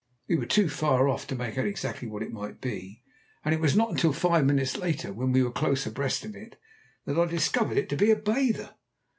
We were too far off to make out exactly what it might be, and it was not until five minutes later, when we were close abreast of it, that I discovered it to be a bather.